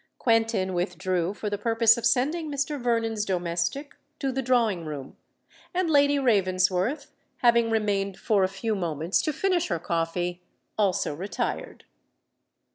Quentin withdrew for the purpose of sending Mr. Vernon's domestic to the drawing room; and Lady Ravensworth, having remained for a few moments to finish her coffee, also retired.